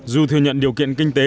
dù thừa nhận điều kiện kinh tế